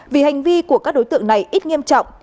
vì hành vi của các đối tượng này ít nghiêm trọng